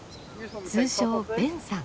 通称ベンさん。